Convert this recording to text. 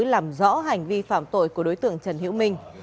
làm rõ hành vi phạm tội của đối tượng trần hữu minh